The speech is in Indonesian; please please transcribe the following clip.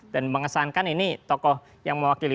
dan mengesankan ini tokoh yang mewakili